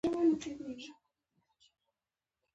ایا ستاسو ګامونه له شر پاک دي؟